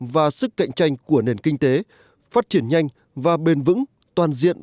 và sức cạnh tranh của nền kinh tế phát triển nhanh và bền vững toàn diện